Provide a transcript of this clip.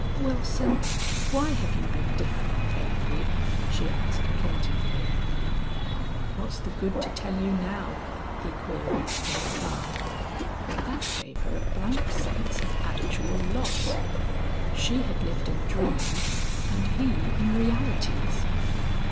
"Wilson, why have you been different lately?" she asked, plaintively. "What's the good to tell you now?" he queried, in reply. That gave her a blank sense of actual loss. She had lived in dreams and he in realities.